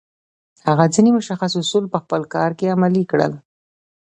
هغه ځينې مشخص اصول په خپل کار کې عملي کړل.